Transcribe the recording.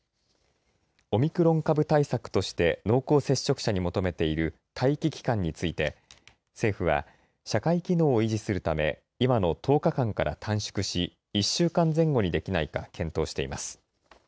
オミクロン株対策として濃厚接触者に求めている待機期間について政府は、社会機能を維持するため今の１０日間から短縮し１週間前後にできないか検討しています。